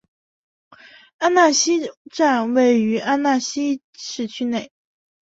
阿讷西站位于阿讷西市区内。